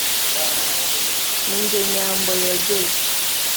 ni jye nyambo yogeye.